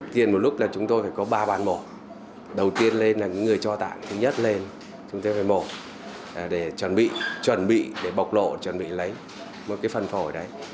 tiền một lúc là chúng tôi phải có ba bàn mổ đầu tiên lên là người cho tặng thứ nhất lên chúng tôi phải mổ để chuẩn bị chuẩn bị để bộc lộ chuẩn bị lấy một cái phần phổi đấy